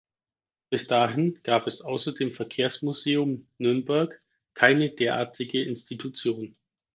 Bis dahin gab es außer dem Verkehrsmuseum Nürnberg keine derartige Institution.